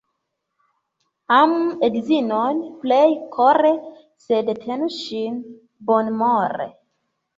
Amu edzinon plej kore, sed tenu ŝin bonmore.